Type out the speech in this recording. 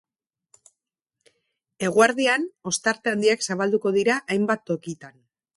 Eguerdian ostarte handiak zabalduko dira hainbat tokitan.